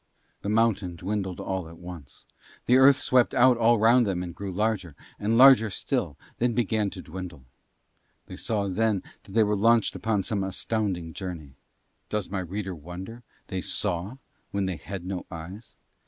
The mountain dwindled at once; the Earth swept out all round them and grew larger, and larger still, and then began to dwindle. They saw then that they were launched upon some astounding journey. Does my reader wonder they saw when they had no eyes?